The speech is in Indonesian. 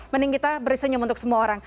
mending kita berisenyum untuk semua orang